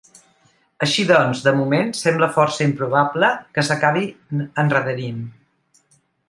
Així doncs, de moment sembla força improbable que s’acabin endarrerint.